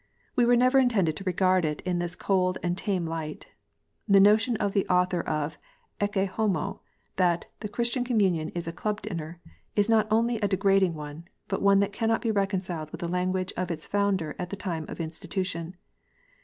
We were never intended to regard it in this cold and tame light. The notion of the author of Ecce Homo, that " the Christian communion is a club dinner," is not only a degrading one, but one that cannot be reconciled with the language of its Founder at the time of institution.